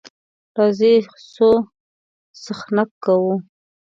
راځئ ځو څخنک کوو.